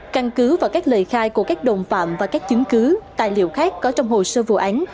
căn cứ vào các lời khai của các đồng phạm và các chứng cứ tài liệu khác có trong hồ sơ vụ án